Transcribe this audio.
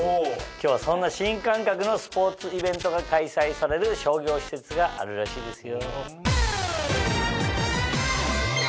今日はそんな新感覚のスポーツイベントが開催される商業施設があるらしいですよ。